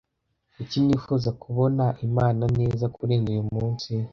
Kuki nifuza kubona Imana neza kurenza uyumunsi?